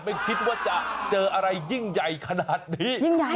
ไม่คิดว่าจะเจออะไรยิ่งใหญ่ขนาดนี้